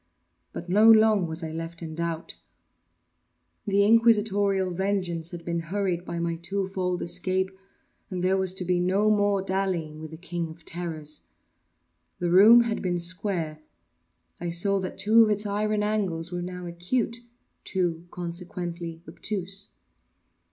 But not long was I left in doubt. The Inquisitorial vengeance had been hurried by my two fold escape, and there was to be no more dallying with the King of Terrors. The room had been square. I saw that two of its iron angles were now acute—two, consequently, obtuse.